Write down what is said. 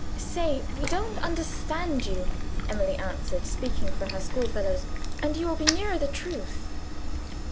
"Say we don't understand you," Emily answered, speaking for her schoolfellows; "and you will be nearer the truth."